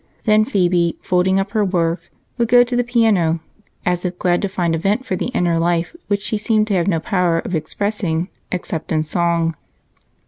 Then Phebe, folding up her work, would go to the piano, as if glad to find a vent for the inner life which she seemed to have no power of expressing except in song.